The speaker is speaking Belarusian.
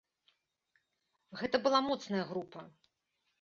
Гэта была моцная група.